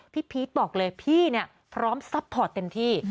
พี่พีชบอกเลยพี่พร้อมซัพพอร์ตเต็มที่